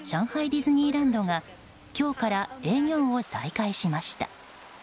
ディズニーランドが今日から営業を再開しました。